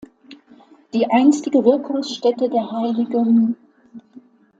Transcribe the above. Die einstige Wirkungsstätte der hl.